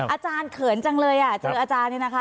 อาจารย์เขินจังเลยอ่ะเจออาจารย์นี่นะคะ